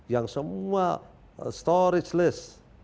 yang semua storage list